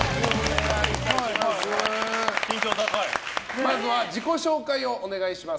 まずは自己紹介をお願いします。